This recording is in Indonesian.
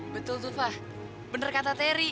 betul tuh fah bener kata terry